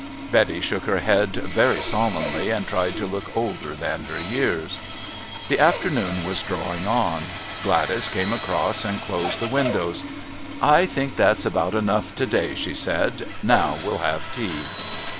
Betty shook her head very solemnly and tried to look older than her years. The afternoon was drawing on. Gladys came across and closed the windows. "I think that's about enough to day," she said. "Now we'll have tea."